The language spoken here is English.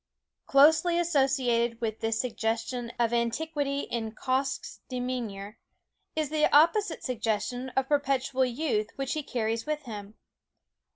Closely associated with this suggestion of antiquity in Quoskh's demeanor is the oppo site suggestion of perpetual youth which he carries with him.